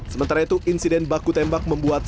sementara itu insiden baku tembak membuat